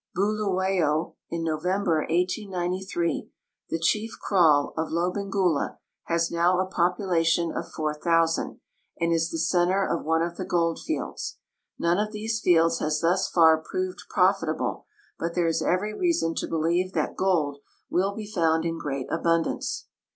Buluwayo, in November, 1893, the chief kraal of Lobengula, has now a population of 4,000, and is the center of one of the gold fields. None of these fields has thus far proved j)rofitable, but there is every reason to believe that gold will be found in great abundance.